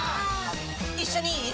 一緒にいい？